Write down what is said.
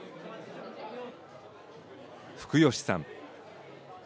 福吉さん。